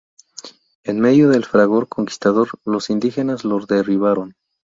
En medio del fragor conquistador, los indígenas lo derribaron.